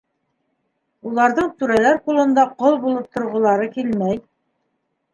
Уларҙың түрәләр ҡулында ҡол булып торғолары килмәй.